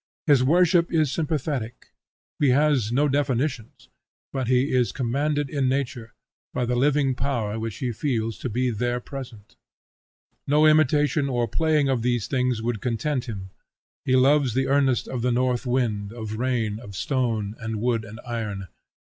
His worship is sympathetic; he has no definitions, but he is commanded in nature, by the living power which he feels to be there present. No imitation or playing of these things would content him; he loves the earnest of the north wind, of rain, of stone, and wood, and iron.